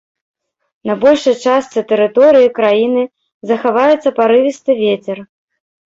На большай частцы тэрыторыі краіны захаваецца парывісты вецер.